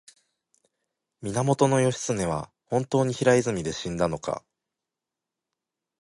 源義経は本当に平泉で死んだのか